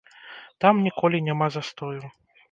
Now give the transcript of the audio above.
Там ніколі няма застою.